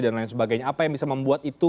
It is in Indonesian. dan lain sebagainya apa yang bisa membuat itu